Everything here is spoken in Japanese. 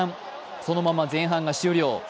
そのまま前半が終了。